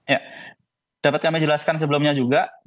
ya dapat kami jelaskan sebelumnya juga